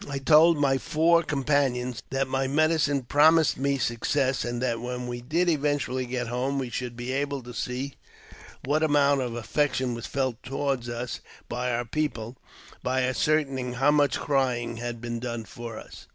I told my four com panions that my medicine promised me success, and that when we did eventually get home we should be able to see what amount of affection was felt toward us by our people, by ascertaining how much crying had been done for us.